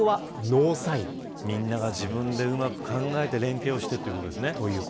みんなが自分でうまく考えて連携してということですね。